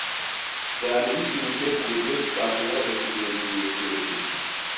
Byari bishyushye kuburyo tutashoboraga kugenda igihe kirekire.